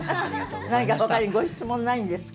何か、他にご質問ないんですか？